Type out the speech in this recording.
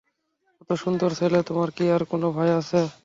কতো সুন্দর ছেলে তোমার কি আর কোন ভাই আছে?